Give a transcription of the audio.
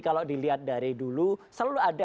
kalau sukses dulu selalu ada lah